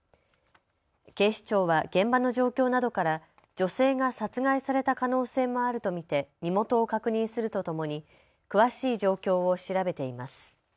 警視庁は現場の状況などから女性が殺害された可能性もあると見て身元を確認するとともに詳しい状況を調べています。